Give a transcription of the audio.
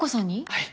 はい。